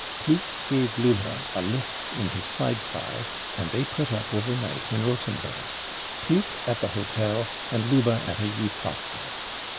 Ploegk gave Lubbe a lift in his side car, and they put up overnight in Rdthenburg, Ploegk at the hotel and Lubbe at a youth hostel.